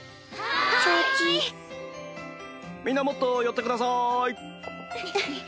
はい。